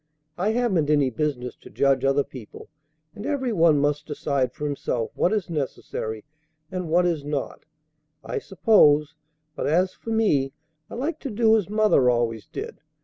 I haven't any business to judge other people, and every one must decide for himself what is necessary and what is not, I suppose; but, as for me, I like to do as mother always did.